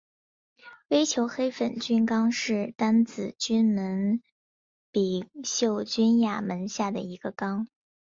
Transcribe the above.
微球黑粉菌纲是担子菌门柄锈菌亚门下的一个纲。